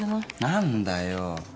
何だよ。